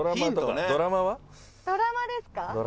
ドラマですか？